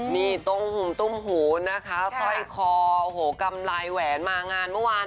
นี่ตรงตุ้มหูนะคะสร้อยคอโอ้โหกำไรแหวนมางานเมื่อวาน